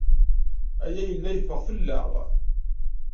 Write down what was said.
Aya yella yeffeɣ fell-aɣ.